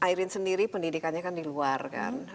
irin sendiri pendidikannya kan di luar kan